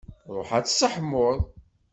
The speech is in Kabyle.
Ṛuḥ ad tseḥmuḍ.